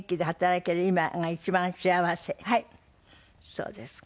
そうですか。